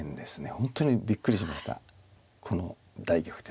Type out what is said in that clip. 本当にびっくりしましたこの大逆転。